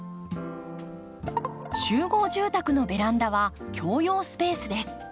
集合住宅のベランダは共用スペースです。